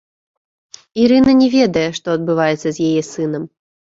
Ірына не ведае, што адбываецца з яе сынам.